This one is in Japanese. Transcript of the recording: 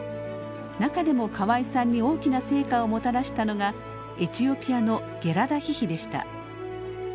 中でも河合さんに大きな成果をもたらしたのがエチオピアのゲラダヒヒでした。